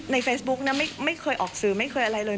ในเฟซบุ๊กนะไม่เคยออกสื่อไม่เคยอะไรเลย